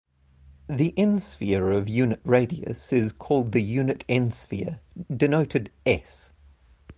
The "n"-sphere of unit radius is called the unit "n"-sphere, denoted "S".